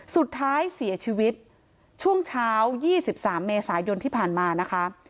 สุดท้ายเสียชีวิตช่วงเช้า๒๓เมษายนที่ผ่านมานะคะ